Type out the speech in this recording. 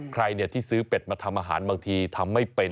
ใครที่ซื้อเป็ดมาทำอาหารบางทีทำไม่เป็น